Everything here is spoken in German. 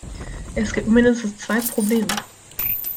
Es gibt mindestens zwei Probleme.